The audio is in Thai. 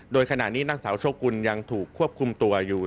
โดยขณะนี้นางสาวโชกุลยังถูกควบคุมตัวอยู่